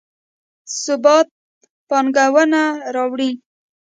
ثبات پانګونه راوړي